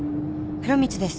「風呂光です。